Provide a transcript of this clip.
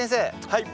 はい。